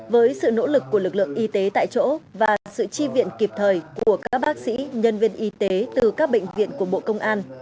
với sự nỗ lực của lực lượng y tế tại chỗ và sự chi viện kịp thời của các bác sĩ nhân viên y tế từ các bệnh viện của bộ công an